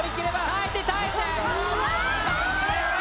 ・耐えて耐えて・わあ！